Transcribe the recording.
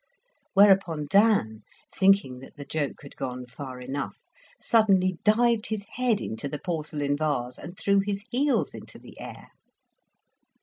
Whereupon Dan, thinking that the joke had gone far enough, suddenly dived his head into the porcelain vase, and threw his heels into the air.